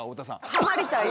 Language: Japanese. ハマりたいの？